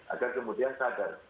agar kemudian sadar